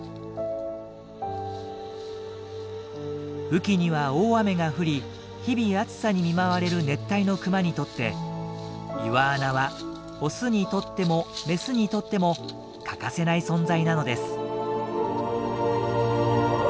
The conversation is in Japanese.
雨季には大雨が降り日々暑さに見舞われる熱帯のクマにとって岩穴はオスにとってもメスにとっても欠かせない存在なのです。